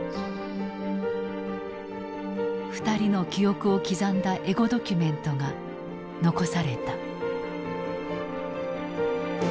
２人の記憶を刻んだエゴドキュメントが残された。